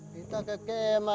kita ke kem